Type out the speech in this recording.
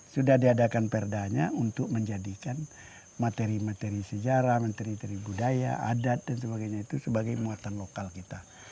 sudah diadakan perdanya untuk menjadikan materi materi sejarah materi menteri budaya adat dan sebagainya itu sebagai muatan lokal kita